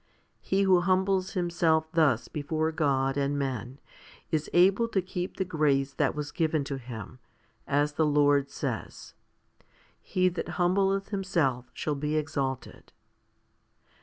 He who humbles himself thus before God and men is able to keep the grace that was given to him, as the Lord says, He that humbleth himself shall be exalted.